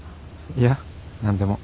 いや何でも。